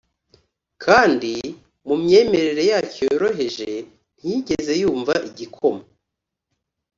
kandi, mu myemerere yacyo yoroheje, ntiyigeze yumva igikoma